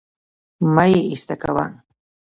مه يې ايسته کوه